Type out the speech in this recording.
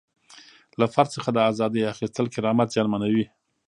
له فرد څخه د ازادۍ اخیستل کرامت زیانمنوي.